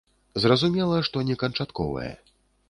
Зразумела, што не канчатковае.